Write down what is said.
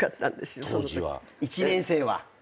１年生は？